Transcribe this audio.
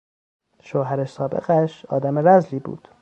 شوهر سابقش آدم رذلی بود.